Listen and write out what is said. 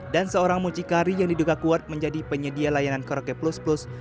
dan seorang mucikari yang diduga kuat menjadi penyedia layanan karaoke plus plus